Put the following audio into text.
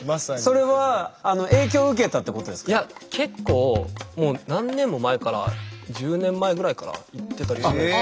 それはいや結構もう何年も前から１０年前ぐらいから言ってたりするんです。